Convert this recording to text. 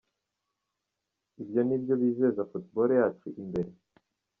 Ibyo nibyo bizateza football yacu imbere?